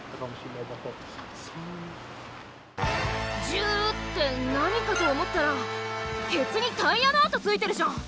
「ジュー」って何かと思ったらケツにタイヤの跡ついてるじゃん。